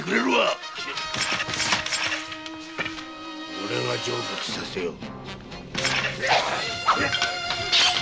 おれが成仏させよう。